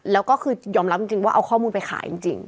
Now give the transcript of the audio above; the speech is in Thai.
แล้วก็คือยอมรับจริงว่าเอาข้อมูลไปขายจริง